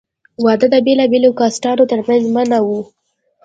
واده د بېلابېلو کاسټانو تر منځ منع وو.